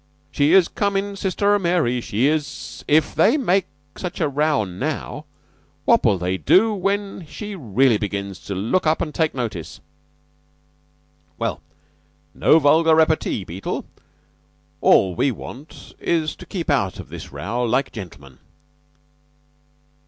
'She is comin', sister Mary. She is '" "If they make such a row now, what will they do when she really begins to look up an' take notice?" "Well, no vulgar repartee, Beetle. All we want is to keep out of this row like gentlemen."